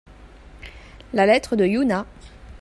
La lettre de Yuna.